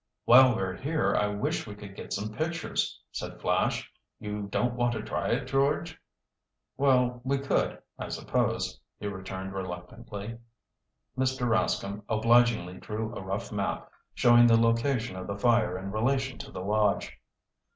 "While we're here I wish we could get some pictures," said Flash. "You don't want to try it, George?" "Well, we could, I suppose," he returned reluctantly. Mr. Rascomb obligingly drew a rough map, showing the location of the fire in relation to the lodge.